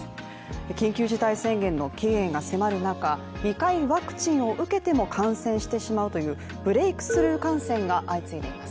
緊急事態宣言の期限が迫る中、ワクチンを受けても感染してしまうというブレークスルー感染が相次いでいます。